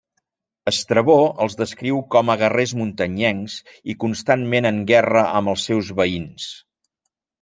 Estrabó els descriu com a guerrers muntanyencs i constantment en guerra amb els seus veïns.